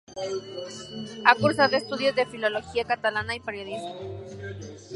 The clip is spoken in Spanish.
Ha cursado estudios de Filología Catalana y Periodismo.